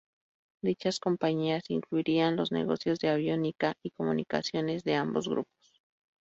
Dichas compañías incluirían los negocios de aviónica y comunicaciones de ambos grupos.